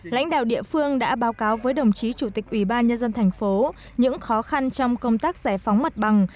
lãnh đạo địa phương đã báo cáo với đồng chí chủ tịch ubnd tp những khó khăn trong công tác giải phóng mặt bằng